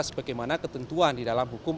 sebagaimana ketentuan di dalam hukum